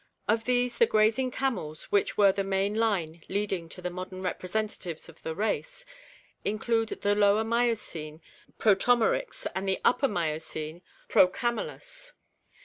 Of these the grazing camels, which were the main line leading to the modern representatives of the race, include the Lower Miocene Prototneryx and the Upper Miocene Proeatndus.